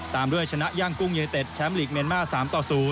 ตามด้วยชนะย่างกุ้งยูเนเต็ดแชมป์ลีกเมียนมาร์๓ต่อ๐